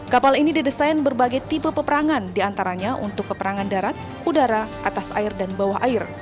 kapal ini didesain berbagai tipe peperangan diantaranya untuk peperangan darat udara atas air dan bawah air